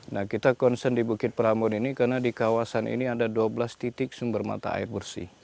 nah kita concern di bukit pramun ini karena di kawasan ini ada dua belas titik sumber mata air bersih